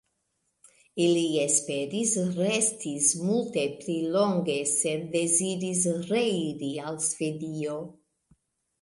Ili esperis restis multe pli longe sed deziris reiri al Svedio.